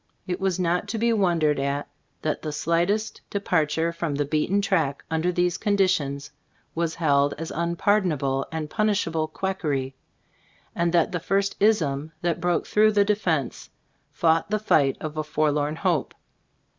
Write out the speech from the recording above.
It was not to be wondered at that the slightest departure from the beat en track, under these conditions, was held as unpardonable and punishable quackery ; and that the first "ism" that broke through the defense fought the fight of a forlorn hope.